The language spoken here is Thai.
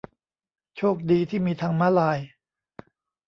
โชคดีที่มีทางม้าลาย